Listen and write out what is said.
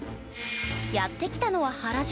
やって来たのは原宿